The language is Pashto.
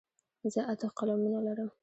زه اته قلمونه لرم.